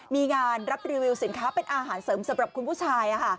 มีงานรับรีวิวสินค้าเป็นอาหารเสริมสำหรับคุณผู้ชาย